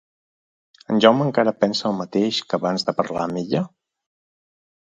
En Jaume encara pensa el mateix que abans de parlar amb ella?